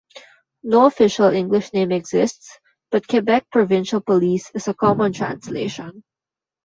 No official English name exists, but Quebec Provincial Police is a common translation.